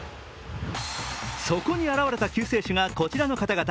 そこに現れた救世主が、こちらの方々。